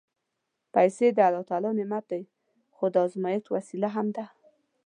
پېسې د الله نعمت دی، خو د ازمېښت وسیله هم ده.